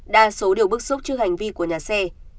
đa số đều bức xúc trước hành vi của nhà xe